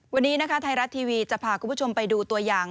วันนี้นะคะไทยรัฐทีวีจะพาคุณผู้ชมไปดูตัวอย่าง